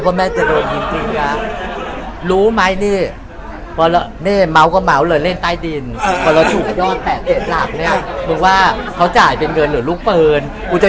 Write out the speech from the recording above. เพราะแม่จะโดนจีบจริงอะ